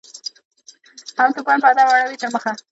هم توپان په ادب اړوي تر مخه